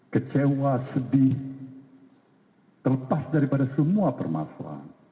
kecewa sedih terlepas daripada semua permasalahan